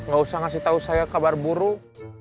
gak usah kasih tau saya kabar buruk